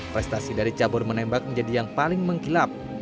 prestasi dari cabur menembak menjadi yang paling mengkilap